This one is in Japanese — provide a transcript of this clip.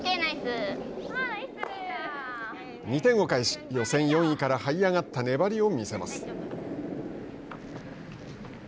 ２点を返し予選４位からはい上がった粘りを見せます。